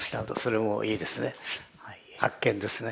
発見ですね。